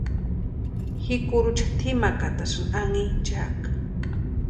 Ji kurucha tʼimakatasï anhinchakʼa.